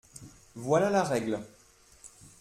Voilà la règle.